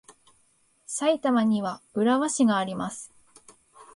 埼玉には浦和市があります。